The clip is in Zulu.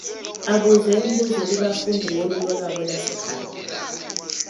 Abuze imibuzo kubafundi ngolimi lwabo lwasekhaya.